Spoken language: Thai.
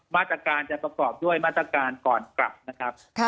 มาตรการจะประกอบด้วยมาตรการก่อนกลับนะครับ